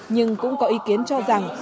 nhưng cũng có ý kiến cho rằng